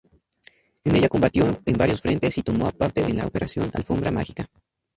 En ella combatió en varios frentes y tomó parte en la "Operación alfombra mágica".